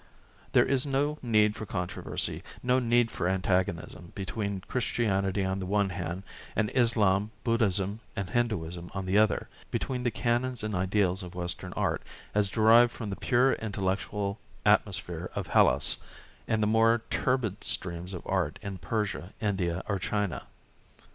There is no need for controversy, no need for antagonism, between Christianity on the one hand and Islam, Buddhism or Hinduism on the other, between the canons and ideals of western art, as derived from the pure intellectual atmosphere of Hellas, and the more turbid streams of art in Persia, India, or China.